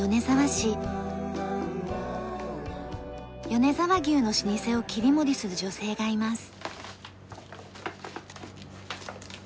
米沢牛の老舗を切り盛りする女性がいます。